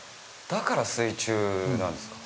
だから水中なんですか。